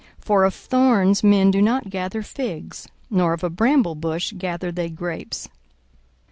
For of thorns men do not gather figs, nor of a bramble bush gather they grapes.